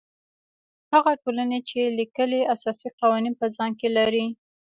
هغه ټولنې چې لیکلي اساسي قوانین په ځان کې لري.